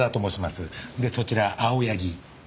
でそちらは青柳。